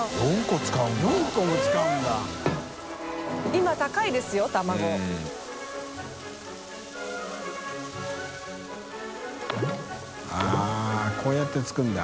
今高いですよ卵。うん。◆舛こうやって作るんだ。